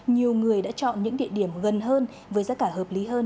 nhiều người đã chọn những địa điểm gần hơn với giá cả hợp lý hơn